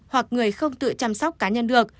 hoặc người không tự chăm sóc cá nhân được